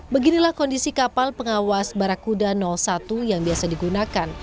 beginilah kondisi kapal pengawas barakuda satu yang biasa digunakan